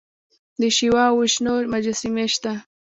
د شیوا او وشنو مجسمې شته